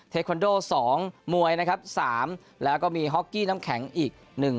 เทคอนโดสองมวยนะครับสามแล้วก็มีฮอกกี้น้ำแข็งอีกหนึ่ง